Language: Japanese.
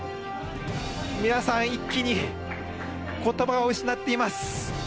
皆さん、一気に言葉を失っています